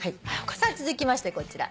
さあ続きましてこちら。